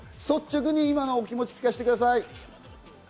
率直に今のお気持ち、聞かせてください。